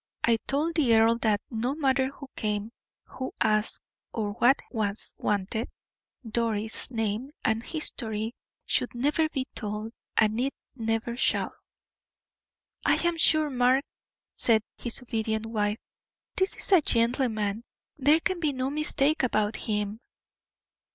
I told the earl that, no matter who came, who asked, or what was wanted, Doris' name and history should never be told, and it never shall." "I am sure, Mark," said his obedient wife, "this is a gentleman; there can be no mistake about him."